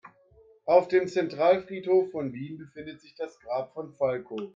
Auf dem Zentralfriedhof von Wien befindet sich das Grab von Falco.